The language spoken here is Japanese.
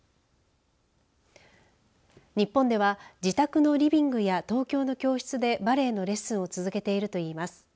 日本では自宅のリビングや東京の教室でバレエのレッスンを続けているといいます。